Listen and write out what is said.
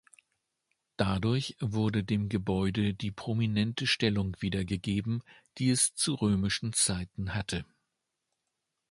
Dadurch wurde dem Gebäude die prominente Stellung wiedergegeben, die es zu römischen Zeiten hatte.